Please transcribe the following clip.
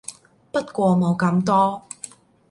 不過冇咁多